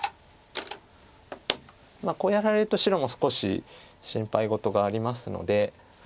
こうやられると白も少し心配事がありますので。